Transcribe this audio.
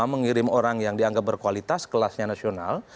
mengirim orang yang dianggap berkualitas kelasnya nasional